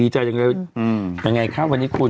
ดีใจจังเลยยังไงค่ะวันนี้คุณ